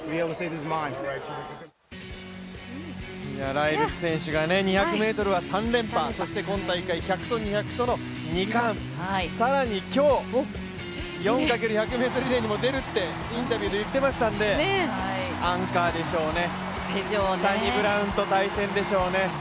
ライルズ選手が２００ｍは３連覇、そして今大会１００と２００が２冠、更に今日、４×１００リレーにも出るってインタビューで言っていましたので、アンカーでしょうね、サニブラウンと対戦でしょうね。